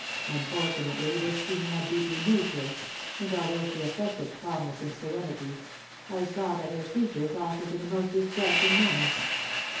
Unfortunately, this scene had deeply moved her, and, although she affected calmness and serenity, I saw that her features altered in a most distressing manner.